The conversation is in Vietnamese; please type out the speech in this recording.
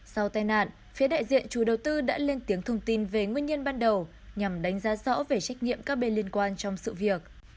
sau tai nạn phía đại diện chủ đầu tư đã lên tiếng thông tin về nguyên nhân ban đầu nhằm đánh giá rõ về trách nhiệm các bên liên quan trong sự việc